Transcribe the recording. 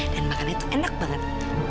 dan makannya tuh enak banget